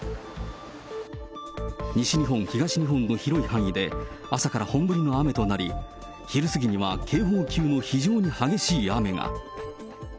西日本、東日本の広い範囲で朝から本降りの雨となり、昼過ぎには警報級の非常に激しい雨が。